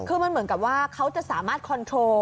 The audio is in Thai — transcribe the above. คือมันเหมือนกับว่าเขาจะสามารถคอนโทร